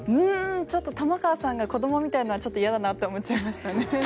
ちょっと玉川さんが子どもみたいなのはちょっと嫌だなって思っちゃいましたね。